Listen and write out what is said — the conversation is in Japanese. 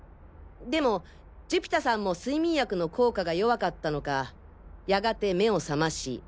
でも寿飛太さんも睡眠薬の効果が弱かったのかやがて目を覚まし。